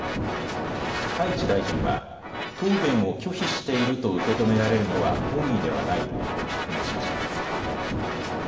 高市大臣は答弁を拒否していると受け止められるのは本意ではないと釈明しました。